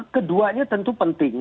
keduanya tentu penting